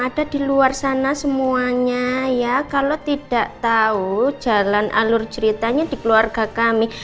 ada di luar sana semuanya ya kalau tidak tahu jalan alur ceritanya di keluarga kami